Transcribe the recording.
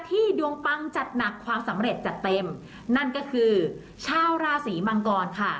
ดวงปังจัดหนักความสำเร็จจัดเต็มนั่นก็คือชาวราศีมังกรค่ะ